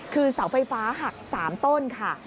คือเสาไฟฟ้าหัก๓ต้นค่ะ